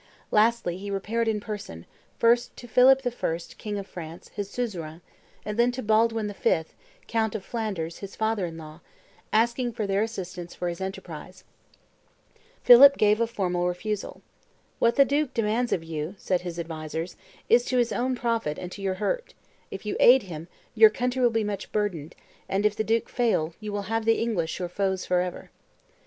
Lastly he repaired in person, first to Philip I., king of France, his suzerain, then to Baldwin V., count of Flanders, his father in law, asking their assistance for his enterprise. Philip gave a formal refusal. "What the duke demands of you," said his advisers, "is to his own profit and to your hurt; if you aid him, your country will be much burdened; and if the duke fail, you will have the English your foes forever."